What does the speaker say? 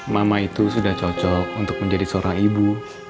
mama itu sudah cocok untuk menjadi seorang ibu